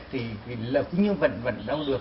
thì là cũng như vẫn vẫn đau được